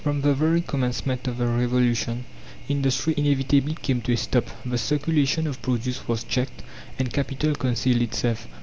From the very Commencement of the Revolution industry inevitably came to a stop the circulation of produce was checked, and capital concealed itself.